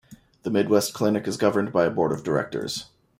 The Midwest Clinic is governed by a Board of Directors.